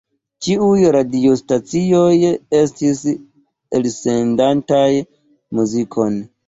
Ĉiuj radiostacioj estis elsendantaj muzikon.